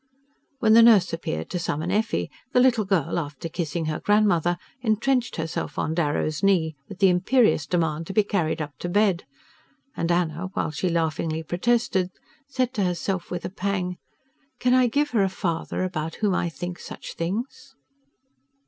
When the nurse appeared to summon Effie, the little girl, after kissing her grandmother, entrenched herself on Darrow's knee with the imperious demand to be carried up to bed; and Anna, while she laughingly protested, said to herself with a pang: "Can I give her a father about whom I think such things?"